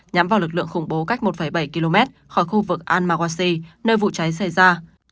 nhắm vào lực lượng khủng bố cách một bảy km khỏi khu vực al mawassi nơi vụ cháy xảy ra